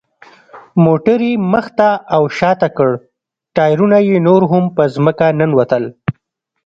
موټر یې مخ ته او شاته کړ، ټایرونه یې نور هم په ځمکه ننوتل.